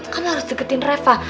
kamu harus deketin reva